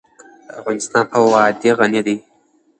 افغانستان په وادي غني دی.